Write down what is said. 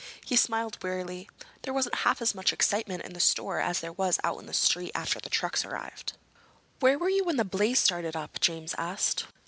He smiled wearily. "There wasn't half as much excitement in the store as there was out in the street after the trucks arrived." "Where were you when the blaze started up?" James asked.